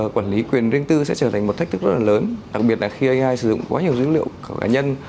quản lý quyền rinh tư sẽ trở thành một thách thức rất lớn đặc biệt là khi ai sử dụng quá nhiều dữ liệu cá nhân